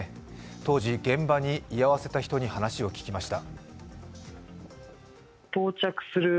当時、現場に居合わせた人に話を聞きました。